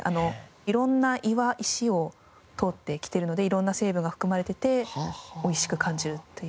色んな岩石を通ってきてるので色んな成分が含まれていておいしく感じるという。